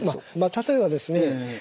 例えばですね